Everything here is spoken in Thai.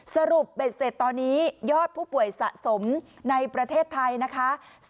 เบ็ดเสร็จตอนนี้ยอดผู้ป่วยสะสมในประเทศไทยนะคะ